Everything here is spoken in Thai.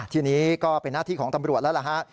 ทีนี้ก็เป็นหน้าที่ของตำรวจแล้วล่ะฮะ